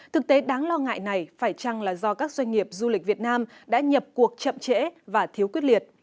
thực tế đáng lo ngại này phải chăng là do các doanh nghiệp du lịch việt nam đã nhập cuộc chậm trễ và thiếu quyết liệt